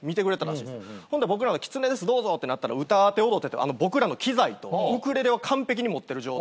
ほんで「きつねですどうぞ」ってなったら「歌って踊って」って僕らの機材とウクレレを完璧に持ってる状態。